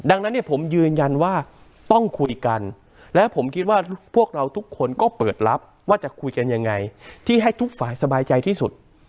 ดังนั้นเนี่ยผมยืนยันว่าต้องคุยกันและผมคิดว่าพวกเราทุกคนก็เปิดรับว่าจะคุยกันยังไงที่ให้ทุกฝ่ายสบายใจที่สุด